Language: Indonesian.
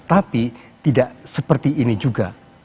tapi tidak seperti ini juga